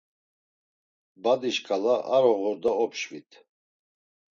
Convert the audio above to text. Badi şǩala aroğorda opşvit.